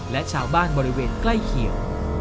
และชาวบ้านบริเวณใกล้เคียง